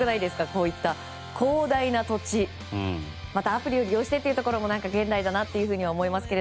こういった広大な土地またアプリを利用してというところも現代だなと思いますが。